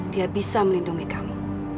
dia bisa melindungi kamu